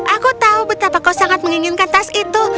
aku tahu betapa kau sangat menginginkan tas itu